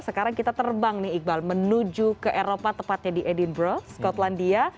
sekarang kita terbang nih iqbal menuju ke eropa tepatnya di edinburgh skotlandia